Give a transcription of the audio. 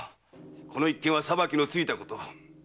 この一件は裁きのついたこと。